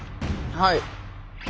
はい。